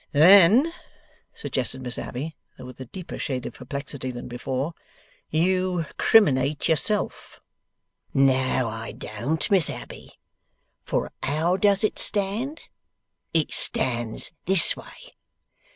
'Then,' suggested Miss Abbey, though with a deeper shade of perplexity than before, 'you criminate yourself.' 'No I don't, Miss Abbey. For how does it stand? It stands this way.